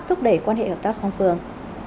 thúc đẩy quan hệ hợp tác song phương